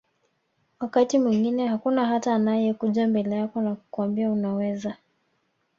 wakati mwingine hakuna hata anakayekuja mbele yako na kukuambia unaweza